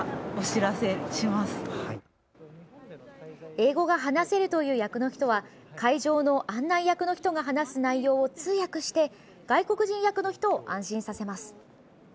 英語が話せるという役の人は会場の案内役の人が話す内容を通訳して外国人役の人を安心させます。